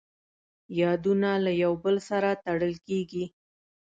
یادونه له یو بل سره تړل کېږي.